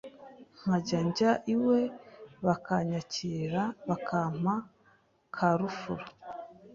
nkajya njya iwe bakanyakira bakampa ka rufuro